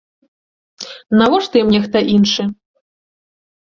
Навошта ім нехта іншы!